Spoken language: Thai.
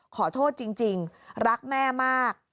ขอโทษจริงรักแม่มาก